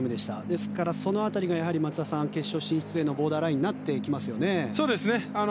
ですからその辺りが松田さん決勝進出へのボーダーラインになってきますよね。